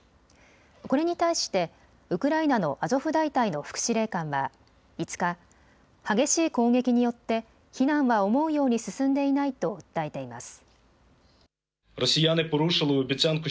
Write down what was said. これに対してウクライナのアゾフ大隊の副司令官は５日、激しい攻撃によって避難は思うように進んでいないと訴えています。